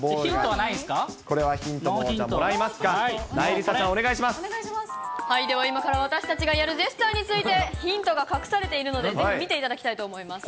はいでは、今から私たちがやるジェスチャーについて、ヒントが隠されているので、ぜひ見ていただきたいと思います。